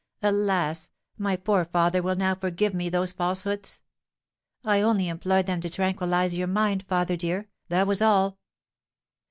Alas! my poor father will now forgive me those falsehoods? I only employed them to tranquillise your mind, father dear, that was all."